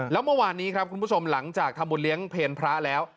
แล้วเมื่อวานนี้ครับคุณผู้ชมหลังจากทำบุญเลี้ยงเพลพระแล้ว